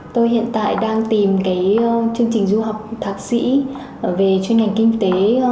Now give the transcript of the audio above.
tôi hiện tại đang tìm chương trình du học thạc sĩ về chuyên ngành kinh tế